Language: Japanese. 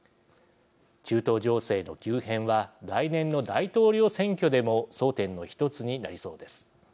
中東情勢の急変は来年の大統領選挙でも争点の一つになりそうです。